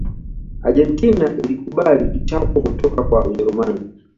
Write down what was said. argentina ilikubali kichapo kutoka kwa ujerumani